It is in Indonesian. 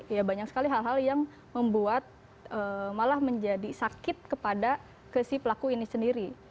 ya banyak sekali hal hal yang membuat malah menjadi sakit kepada ke si pelaku ini sendiri